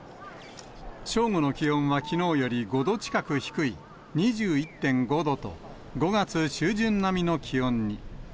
正午の気温はきのうより５度近く低い２１．５度と、５月中旬並みの気温に。